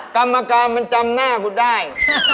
กรรมการมันจำหน้ากูได้